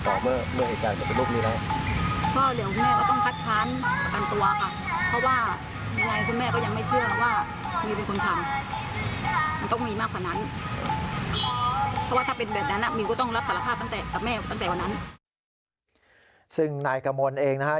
คือยอดรับคือนั่นน่ะครับ